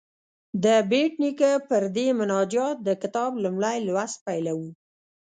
د بېټ نیکه پر دې مناجات د کتاب لومړی لوست پیلوو.